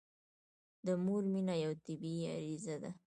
د مور مینه یوه طبیعي غريزه ده.